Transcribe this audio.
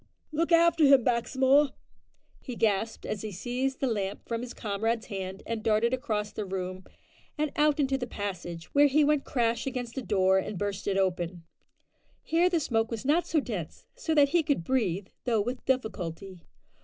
"Look after him, Baxmore," he gasped, as he seized the lamp from his comrade's hand, and darted across the room and out into the passage, where he went crash against a door and burst it open. Here the smoke was not so dense, so that he could breathe, though with difficulty.